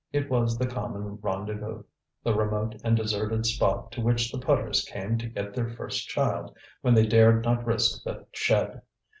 It was the common rendezvous, the remote and deserted spot to which the putters came to get their first child when they dared not risk the shed.